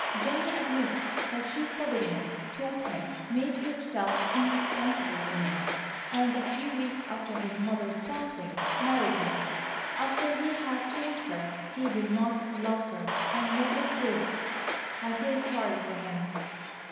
"Jennie admits that she studied him, taught him, made herself indispensable to him, and a few weeks after his mother's passing, married him, after he had told her he did not love her and never could. I feel sorry for him."